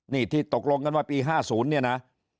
นี่ที่ตกลงกันว่าปี๕๐เนี่ยนะ